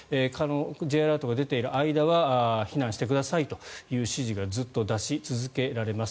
Ｊアラートが出ている間は避難してくださいという指示がずっと出し続けられます。